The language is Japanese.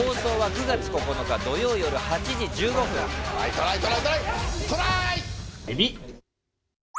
トライ、トライ、トライトラーイ！